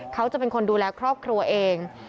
เขาจะเป็นคนดูแลครอบครัวเอง